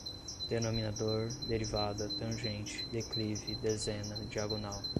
denominador, derivada, tangente, declive, dezena, diagonal